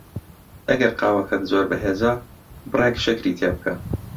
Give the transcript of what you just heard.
ئەگەر قاوەکەت زۆر بەهێزە، بڕێک شەکری تێ بکە.